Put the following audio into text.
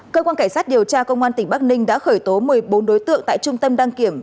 cơ quan cảnh sát điều tra công an tỉnh bắc ninh đã khởi tố một mươi bốn đối tượng tại trung tâm đăng kiểm